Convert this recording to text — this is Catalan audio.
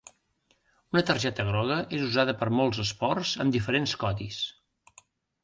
Una targeta groga és usada per molts esports amb diferents codis.